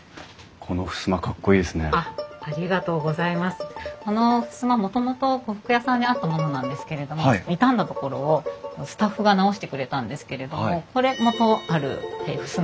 このふすまもともと呉服屋さんにあったものなんですけれども傷んだ所をスタッフが直してくれたんですけれどもこれ元あるふすま